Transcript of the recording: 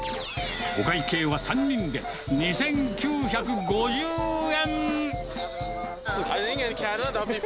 お会計は３人で２９５０円。